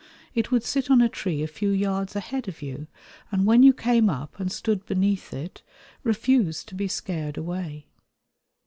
It would sit on a tree a few yards ahead of you, and when you came up and stood beneath it, refuse to be scared away.